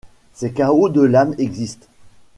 Ces chaos de l’âme existent.